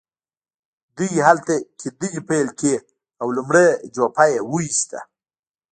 دوی هلته کيندنې پيل کړې او لومړۍ جوپه يې وويسته.